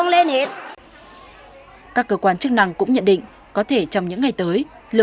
nên việc sử dụng hàng hải sản trên địa bàn tỉnh thứa thiên huế sẽ tăng cao